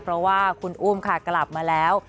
เพราะว่าคุณอุ้มค่ะกลับมาแล้ว